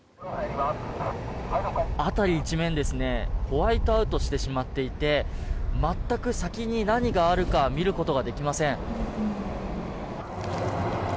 辺り一面ホワイトアウトしていて全く先に何があるか見ることができません。